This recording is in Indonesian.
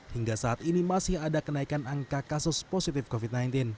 hingga saat ini masih ada kenaikan angka kasus positif covid sembilan belas